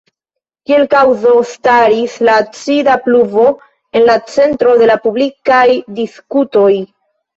Kiel kaŭzo staris la acida pluvo en la centro de la publikaj diskutoj.